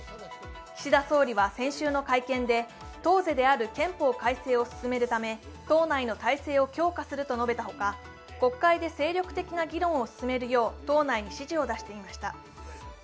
岸田総理は先週の改憲で、党是である憲法改正を進めるため党内の体制を強化すると述べた他、国会で精力的な議論を進めるよう党内に指示を出していました。